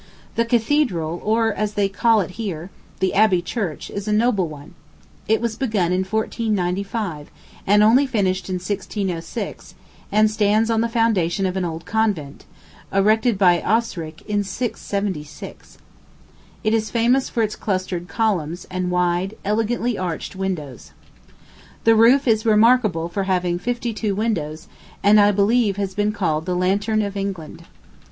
The Cathedral, or, as they here call it, the Abbey Church, is a noble one. It was begun in 1495, and only finished in 1606, and stands on the foundation of an old convent, erected by Osric in 676. It is famous for its clustered columns, and wide, elegantly arched windows. The roof is remarkable for having fifty two windows, and I believe has been called the Lantern of England.